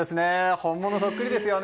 本物そっくりですよね。